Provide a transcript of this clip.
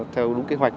theo đúng kế hoạch